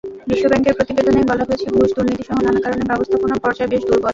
বিশ্বব্যাংকের প্রতিবেদনেই বলা হয়েছে, ঘুষ, দুর্নীতিসহ নানা কারণে ব্যবস্থাপনা পর্যায় বেশ দুর্বল।